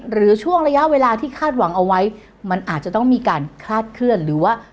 ช่วงระยะเวลาที่คาดหวังเอาไว้มันอาจจะต้องมีการคลาดเคลื่อนหรือว่า